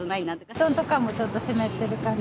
布団とかもちょっと湿ってる感じ。